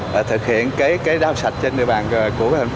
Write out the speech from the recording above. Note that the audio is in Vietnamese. và thực hiện cái rau sạch trên địa bàn của thành phố